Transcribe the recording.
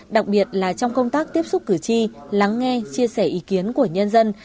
đặc biệt là trong công tác tiếp xúc cử tri lắng nghe chia sẻ ý kiến của nhân dân